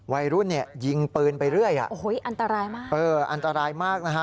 วัยรุ่นยิงปืนไปเรื่อยอันตรายมาก